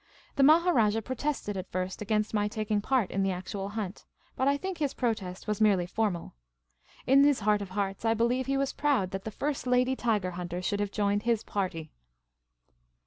The Maharajah protested at first against my taking part in the actual hunt, but I think his protest was merely formal. In his heart of hearts I believe he was proud that the first lady tiger hunter should have joined his party.